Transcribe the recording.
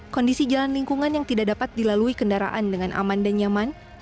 kondisi jalan lingkungan yang tidak dapat dilalui kendaraan dengan aman dan nyaman